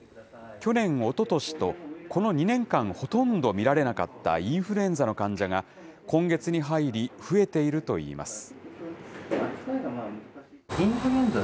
去年、おととしと、この２年間、ほとんど見られなかったインフルエンザの患者が、今月に入り、増えているといいます。